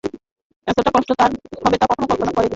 এতটা কষ্ট তার হবে তা কখনো কল্পনা করেননি।